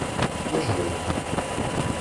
— Можливо.